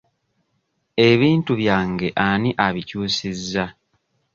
Ebintu byange ani abikyusizza?